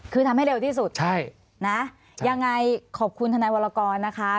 คือทำให้เร็วที่สุดใช่นะยังไงขอบคุณทนายวรกรนะคะ